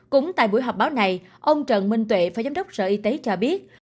cũng tại buổi họp báo này ông trần minh tuệ phó giám đốc sở y tế cho biết